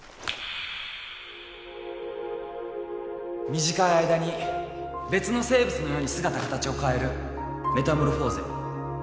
短い間に別の生物のように姿形を変えるメタモルフォーゼ。